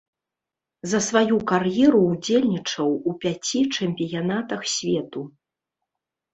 За сваю кар'еру ўдзельнічаў у пяці чэмпіянатах свету.